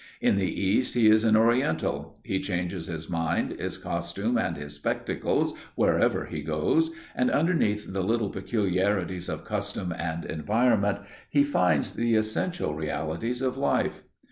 In the East he is an Oriental; he changes his mind, his costume and his spectacles wherever he goes, and underneath the little peculiarities of custom and environment, he finds the essential realities of life.